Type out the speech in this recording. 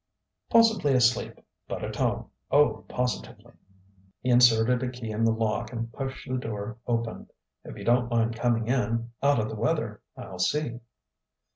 "Possibly asleep. But at home. O positively!" He inserted a key in the lock and pushed the door open. "If you don't mind coming in out of the weather I'll see."